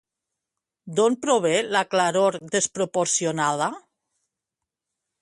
D'on prové la claror desproporcionada?